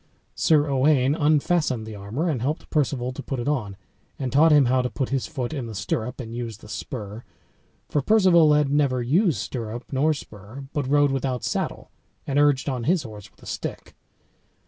Sir Owain unfastened the armor, and helped Perceval to put it on, and taught him how to put his foot in the stirrup, and use the spur; for Perceval had never used stirrup nor spur, but rode without saddle, and urged on his horse with a stick.